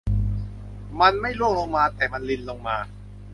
มันไม่ร่วงลงมาแต่มันรินลงมา